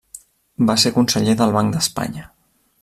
Va ser conseller del Banc d'Espanya.